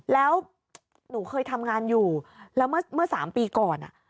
แล้วหนูเคยทำงานอยู่แล้วเมื่อ๓ปีก่อน